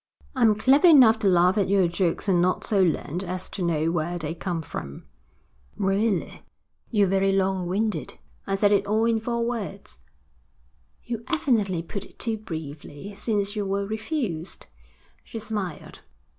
I'm clever enough to laugh at your jokes and not so learned as to know where they come from.' 'Really you're very long winded. I said it all in four words.' 'You evidently put it too briefly, since you were refused,' she smiled.